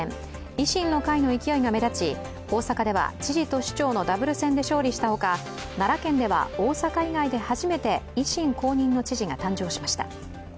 維新の会の勢いが目立ち大阪では知事と市長のダブル選で勝利したほか奈良県では大阪以外で初めて維新公認の知事が誕生しました。